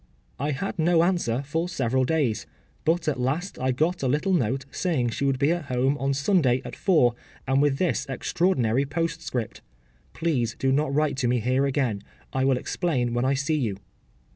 I had no answer for several days, but at last I got a little note saying she would be at home on Sunday at four and with this extraordinary postscript: “Please do not write to me here again; I will explain when I see you.